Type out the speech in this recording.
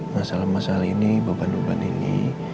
masalah masalah ini beban beban ini